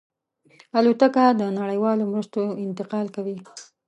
الوتکه د نړیوالو مرستو انتقال کوي.